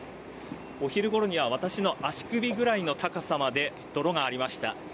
お昼ごろには私の足首ぐらいの高さまで泥がありました。